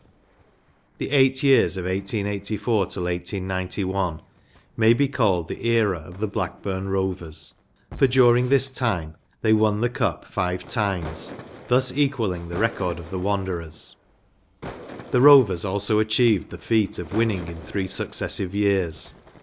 J The eight years from 1884 till 189 t may be called the era of the Rlackburn Rovers, for during this time they won the Cup live times, thus equalling the record of the Wanderers, The Rovers also achieved the feat of winning in three successive years.